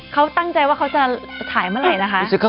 เขาตั้งใจว่าเขาจะถ่ายเมื่อไหร่นะคะ